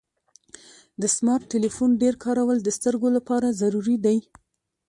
د سمارټ ټلیفون ډیر کارول د سترګو لپاره ضرري دی.